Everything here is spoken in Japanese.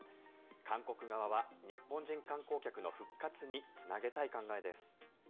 韓国側は日本人観光客の復活につなげたい考えです。